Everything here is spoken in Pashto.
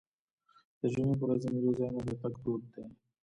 د جمعې په ورځ د میلو ځایونو ته تګ دود دی.